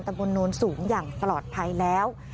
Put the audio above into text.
ตำบลโนรสูงอย่างปลอดภัยแล้ว